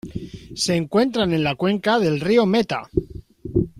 Se encuentran en la cuenca del río Meta.